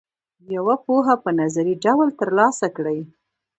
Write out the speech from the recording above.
یوه پوهه په نظري ډول ترلاسه کیږي.